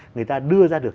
người ta đưa ra được